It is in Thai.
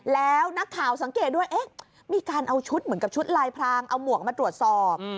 แล้วนักข่าวสังเกตด้วยเอ๊ะมีการเอาชุดเหมือนกับชุดลายพรางเอาหมวกมาตรวจสอบ